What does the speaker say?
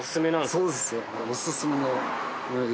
そうですよ。